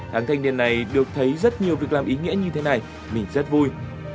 tháng thanh niên này được thấy rất nhiều việc làm ý nghĩa như thế này mình rất vui